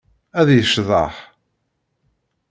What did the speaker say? Ad yecḍeḥ.